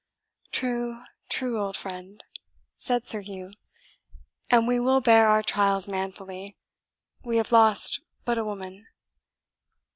"True, true, old friend," said Sir Hugh; "and we will bear our trials manfully we have lost but a woman.